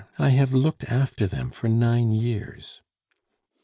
I have looked after them for nine years."